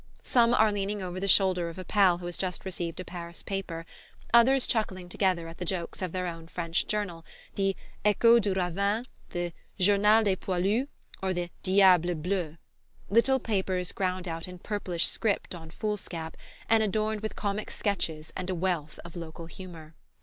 Some are leaning over the shoulder of a pal who has just received a Paris paper, others chuckling together at the jokes of their own French journal the "Echo du Ravin," the "Journal des Poilus," or the "Diable Bleu": little papers ground out in purplish script on foolscap, and adorned with comic sketches and a wealth of local humour.